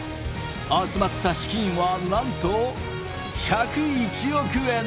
集まった資金はなんと１０１億円。